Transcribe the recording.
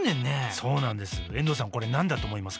そうなんです。